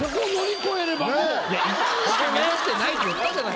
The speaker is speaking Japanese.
・１位しか目指してないって言ったじゃないですか・